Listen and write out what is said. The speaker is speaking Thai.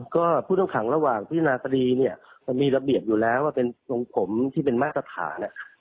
ก็ผู้ต้องขังระหว่างพิจารณาคดีเนี่ยมันมีระเบียบอยู่แล้วว่าเป็นทรงผมที่เป็นมาตรฐาน